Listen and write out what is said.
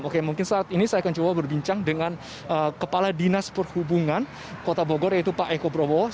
oke mungkin saat ini saya akan coba berbincang dengan kepala dinas perhubungan kota bogor yaitu pak eko brobowo